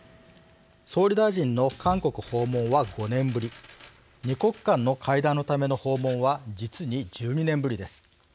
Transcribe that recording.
総理大臣の韓国訪問は５年ぶり二国間の会談のための訪問は実に１２年ぶりです。